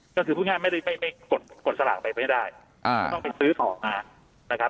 ก็คือผู้งานไม่ได้ไปกดกดสลักไปไม่ได้อ่าต้องไปซื้อของมานะครับ